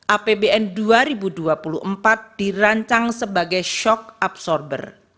apbn dua ribu dua puluh empat dirancang sebagai shock absorber